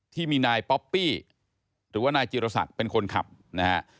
ที่มีนายป๊อปปี้หรือว่านายจิรศักดิ์เป็นคนขับนะฮะ